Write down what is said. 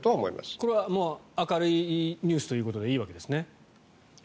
これは明るいニュースということでいいわけですね。